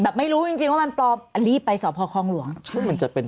แบบไม่รู้จริงว่ามันปลอมอ่ะรีบไปสอบคลองหลวงมันจะเป็น